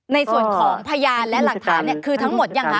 ในส่วนของพยานและหลักฐานคือทั้งหมดยังคะ